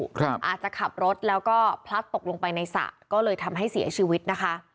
อาจจะขับรถแล้วก็พลัดตกลงไปในสระก็เลยทำให้เสียชีวิตนะคะ